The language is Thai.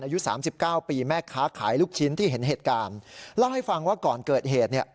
อายุ๓๙ปีแม่ค้าขายลูกชิ้นที่เห็นเหตุการณ์เล่าให้ฟังว่าก่อนเกิดเหตุ